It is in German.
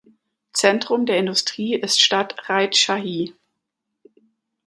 Zentrum der Industrie ist Stadt Rajshahi.